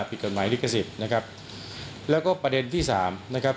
ผิดกฎหมายลิขสิทธิ์นะครับแล้วก็ประเด็นที่สามนะครับ